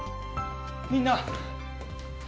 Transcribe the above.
みんな！